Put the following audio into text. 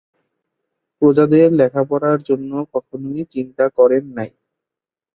প্রজাদের লেখাপড়ার জন্য কখনই চিন্তা করেন নাই।